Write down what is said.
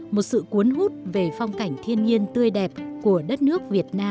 một sự cuốn hút về phong cảnh thiên nhiên tươi đẹp của đất nước